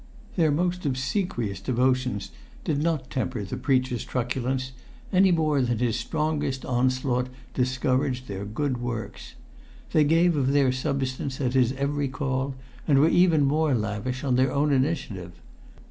Their most obsequious devotions did not temper the preacher's truculence, any more than his strongest onslaught discouraged their good works. They gave of their substance at his every call, and were even more lavish on their own initiative.